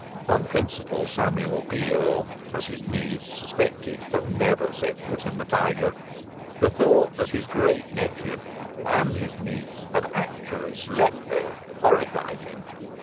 On principle, Samuel Peel (as his niece suspected) had never set foot in the Tiger. The thought that his great nephew and his niece had actually slept there horrified him.